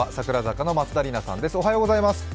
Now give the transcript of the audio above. ４６の松田里奈さんです。